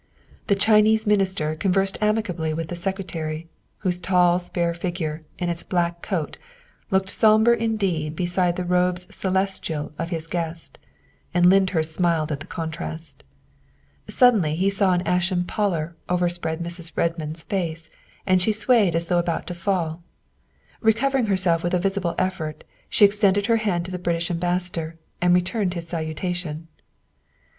The Chinese Minister conversed amicably with the Secretary, whose tall, spare figure in its black coat looked sombre indeed beside the robes celestial of his guest, and Lyndhurst smiled at the contrast. Suddenly he saw an ashen pallor overspread Mrs. Redmond's face, and she swayed as though about to fall. Recovering herself with a visible effort, she ex tended her hand to the British Ambassador and returned his salutation.